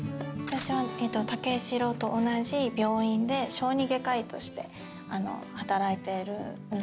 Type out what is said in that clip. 私は武四郎と同じ病院で小児外科医として働いているんです。